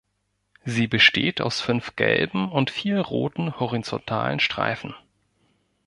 Sie besteht aus fünf gelben und vier roten, horizontalen Streifen.